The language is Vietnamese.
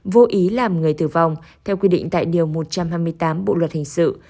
vô ý làm người tử vong theo quy định tại điều một trăm hai mươi tám bộ luật hình sự